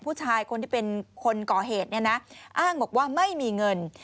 ผู้ชายคนที่เป็นคนก่อเหตุเนี่ยนะอ้างบอกว่าไม่มีเงิน